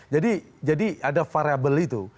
jadi ada variable itu